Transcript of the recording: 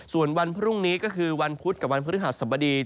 ส่วนวันพรุ่งนี้ก็คือวันพุธกับวันพฤหัสสบดี